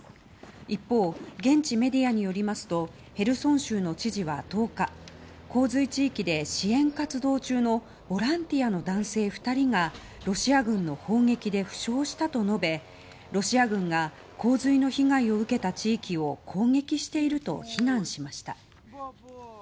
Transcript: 一方、現地メディアによりますとヘルソン州の知事は１０日洪水地域で支援活動中のボランティアの男性２人がロシア軍の砲撃で負傷したと述べロシア軍が洪水の被害を受けた地域を攻撃していると非難しました。